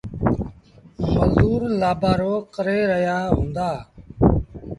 مزور لآبآرو ڪري رهيآ هُݩدآ۔